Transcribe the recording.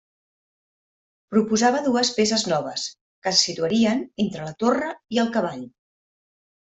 Proposava dues peces noves, que se situarien entre la torre i el cavall.